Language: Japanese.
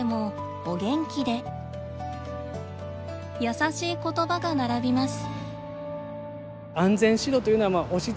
優しいことばが並びます。